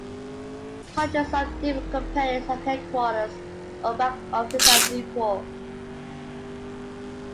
Hundreds of different companies have headquarters or back-offices at Newport.